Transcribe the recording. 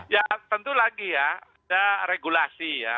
ya tentu lagi ya ada regulasi ya